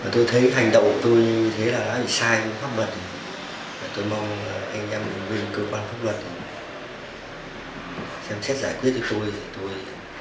tôi thấy hành động của tôi như thế là đã bị sai cũng khắc mật tôi mong anh em huyện cơ quan phức luật xem xét giải quyết được tôi